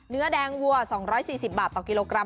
เนื้อแดงวัว๒๔๐บาทต่อกิโลกรัม